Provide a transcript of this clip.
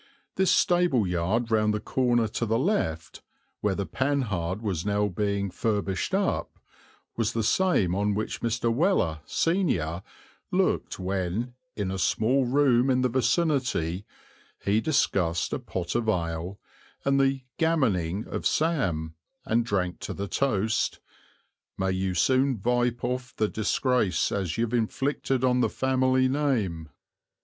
This stable yard round the corner to the left, where the Panhard was now being furbished up, was the same on which Mr. Weller, senior, looked when, "in a small room in the vicinity," he discussed a pot of ale and the "gammoning" of Sam, and drank to the toast, "May you soon vipe off the disgrace as you've inflicted on the family name."